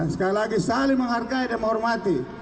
sekali lagi saling menghargai dan menghormati